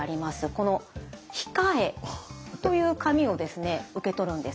この控えという紙を受け取るんです。